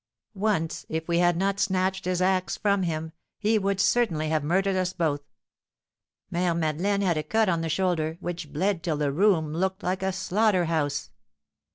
Once, if we had not snatched his axe from him, he would certainly have murdered us both. Mère Madeleine had a cut on the shoulder, which bled till the room looked like a slaughter house."